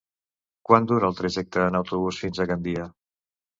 Quant dura el trajecte en autobús fins a Gandia?